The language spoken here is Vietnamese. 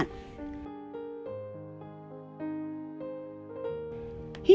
nghỉ ngơi nhiều